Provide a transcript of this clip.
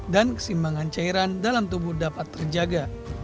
dan kesimbangan cairan dalam tubuh dapat terjaga